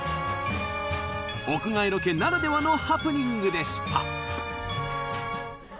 屋外ロケならではのハプニングでした